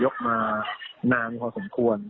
คือผมทำงานกับท่านอดีตการยกมานานพอสมควร